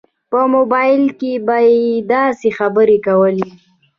په موبایل کې به یې داسې خبرې کولې.